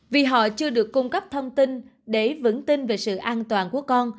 vì họ chưa được cung cấp thông tin để vững tin về sự an toàn